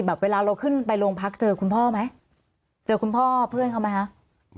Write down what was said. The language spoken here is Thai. เวลาเราขึ้นไปโรงพักเจอคุณพ่อไหมเจอคุณพ่อเพื่อนเขาไหมคะ